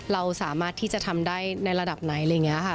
เราสามารถที่จะทำได้ในระดับไหนอะไรอย่างนี้ค่ะ